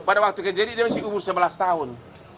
pada waktu kejadian dia masih umur sebelas tahun